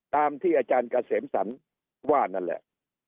ตามที่อาจารย์เกษมสรรว่านั่นแหละ